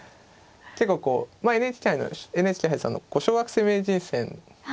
結構こうまあＮＨＫさんの小学生名人戦の。